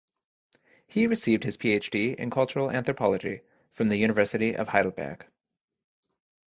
He received his PhD in cultural anthropology from the University of Heidelberg.